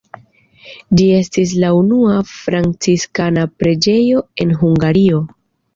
Ĝi estis la unua franciskana preĝejo en Hungario.